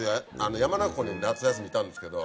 山中湖に夏休みいたんですけど。